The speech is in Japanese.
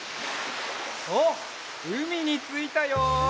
あっうみについたよ！